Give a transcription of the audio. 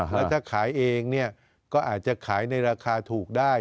แล้วถ้าขายเองเนี่ยก็อาจจะขายในราคาถูกได้